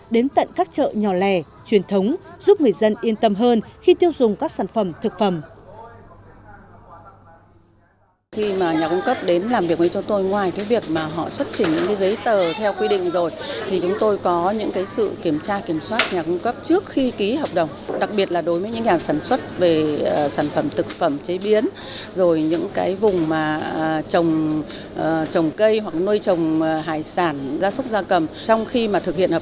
đến tận các chợ nhỏ lè truyền thống giúp người dân yên tâm hơn khi tiêu dùng các sản phẩm thực phẩm